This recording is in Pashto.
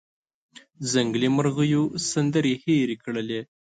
ځنګلي مرغېو سندرې هیرې کړلې